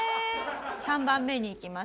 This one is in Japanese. ３番目にいきます。